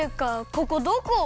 ここどこ！？